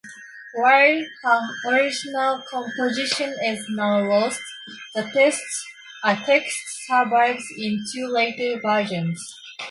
While her original composition is now lost, the text survives in two later versions.